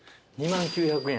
２万９００円。